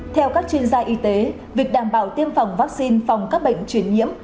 theo các chuyên gia y tế việc đảm bảo tiêm phòng vaccine phòng các bệnh chuyển nhiễm